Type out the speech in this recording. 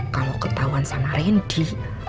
kalau ketahuan sama randy